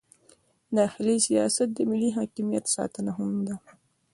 داخلي سیاست د ملي حاکمیت ساتنه هم ده.